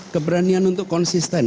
keberanian untuk konsisten